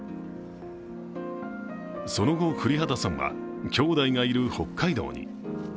その後、降籏さんは兄弟がいる北海道に。